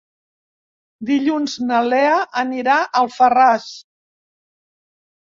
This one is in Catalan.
Dilluns na Lea anirà a Alfarràs.